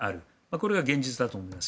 これが現実だと思います。